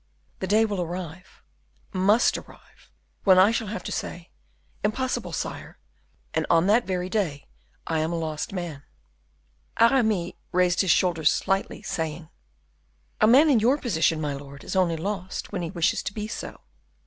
The day will arrive must arrive when I shall have to say, 'Impossible, sire,' and on that very day I am a lost man." Aramis raised his shoulders slightly, saying: "A man in your position, my lord, is only lost when he wishes to be so."